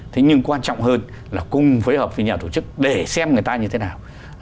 thế nhưng quan trọng hơn là cùng phối hợp với nhà tổ chức để xem người ta như thế nào